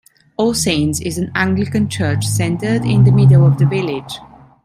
All Saints' is an Anglican church centred in the middle of the village.